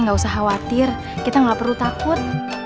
saya gak usah khawatir kita gak perlu takut